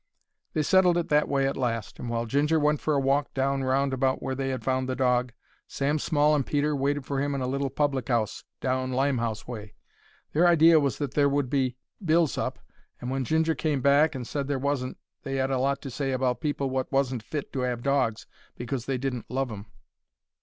They settled it that way at last, and while Ginger went for a walk down round about where they 'ad found the dog, Sam Small and Peter waited for him in a little public 'ouse down Limehouse way. Their idea was that there would be bills up, and when Ginger came back and said there wasn't, they 'ad a lot to say about people wot wasn't fit to 'ave dogs because they didn't love 'em.